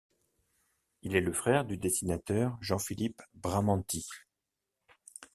Il est le frère du dessinateur Jean-Philippe Bramanti.